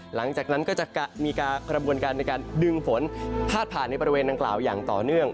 หลังจากนั้นก็จะมีกระบวนการในการดึงฝนพาดผ่านในบริเวณดังกล่าวอย่างต่อเนื่อง